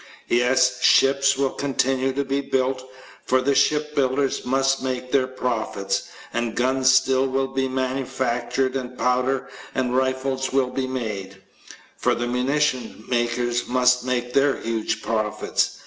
Yes, ships will continue to be built, for the shipbuilders must make their profits. And guns still will be manufactured and powder and rifles will be made, for the munitions makers must make their huge profits.